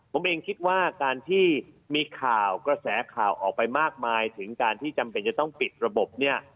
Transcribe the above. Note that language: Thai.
ผมเองคิดว่าการที่มีข่าวกระแสข่าวออกไปมากมายถึงการที่จำเป็นจะต้องปิดระบบเนี่ย